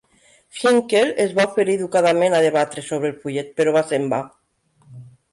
Hinkle es va oferir educadament a debatre sobre el fullet, però va ser en va.